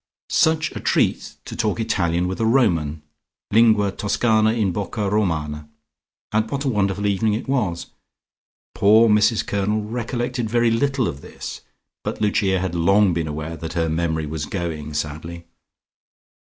Such a treat to talk Italian with a Roman lingua Toscana in bocca Romana and what a wonderful evening it was. Poor Mrs Colonel recollected very little of this, but Lucia had long been aware that her memory was going sadly.